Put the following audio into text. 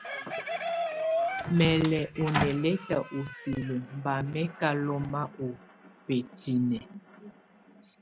Mɛ́ lɛ́ ú nɛlɛtá ú tilǝ́ bá mɛ́ ká lɔ́má ú bǝ́tinǝ́.